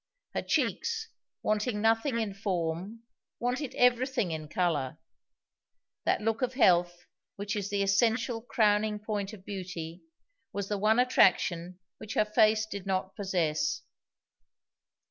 Her cheeks, wanting nothing in form, wanted everything in color. That look of health, which is the essential crowning point of beauty, was the one attraction which her face did not possess.